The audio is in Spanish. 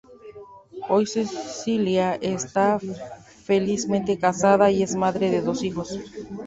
Hoy Cecilia está felizmente casada y es madre de dos hijos.